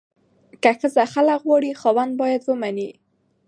که ښځه خلع غواړي، خاوند باید ومني.